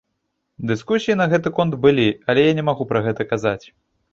Дыскусіі на гэты конт былі, але я не магу пра гэта казаць.